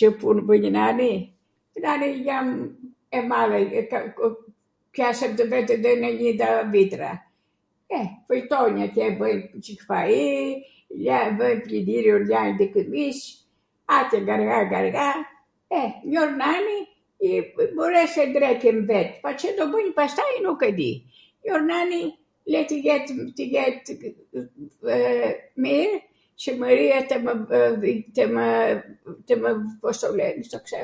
Cw punw bwnj nani? nani jam e madhe ... kam, pjasem tw vete eneninda vitra. E, kwjtonj atjw, bwj njwCik fai, ja e vw plindirio ljaj njw kwmish, atw ngargha ngargha, e, njor nani mpores e ndreqem vet, po Cw do bwj pastaj nuk e di, njor nani le tw jet, tw jet mir Shwmwria tw mw, tw mw [πώς το λένε, το ξέχασα....]